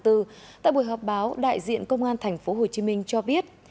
tại buổi họp báo đại diện công an tp hcm cho biết